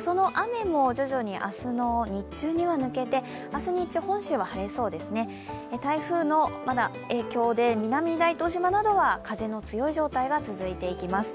その雨も徐々に明日の日中には抜けて、明日日中、本州は晴れそうですね、台風の影響で南大東島などは風の強い状態が続いていきます。